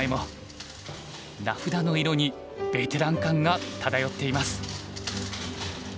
名札の色にベテラン感が漂っています。